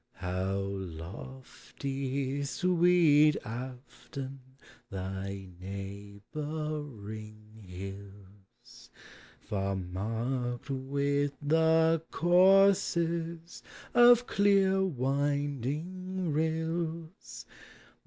How lofty, sweet Afton, thy neighboring hills, Far marked with the courses of clear winding rills!